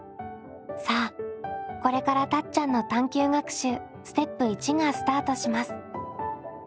さあこれからたっちゃんの探究学習ステップ①がスタートします。